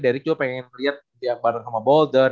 derick juga pengen lihat ya bareng sama bolden